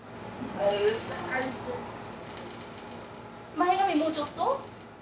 前髪もうちょっと？